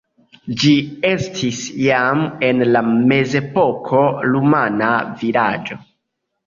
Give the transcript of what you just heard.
Ĝi estis jam en la mezepoko rumana vilaĝo.